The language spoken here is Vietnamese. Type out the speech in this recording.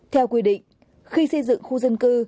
theo quy định khi xây dựng khu dân cư